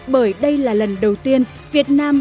bởi đây là lần đầu tiên việt nam